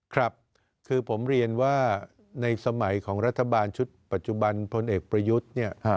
ครับคือผมเรียนว่าในสมัยของรัฐบาลชุดปัจจุบันพลเอกประยุทธ์เนี่ย